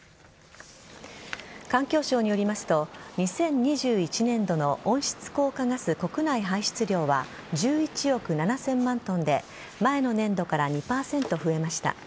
環境省によりますと２０２１年度の温室効果ガス国内排出量は１１億７０００万ｔで前の年度から２％増えました。